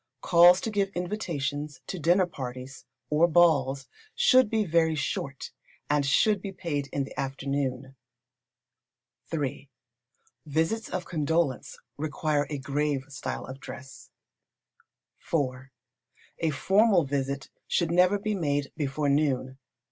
Calls to give invitations to dinner parties, or balls, should be very short, and should be paid in the afternoon. iii. Visits of condolence require a grave style of dress. iv. A formal visit should never be made before noon.